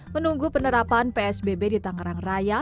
menunggu penerapan psbb di tangerang raya